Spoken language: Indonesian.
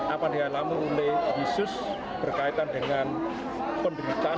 apa dihalangi oleh yesus berkaitan dengan penderitaan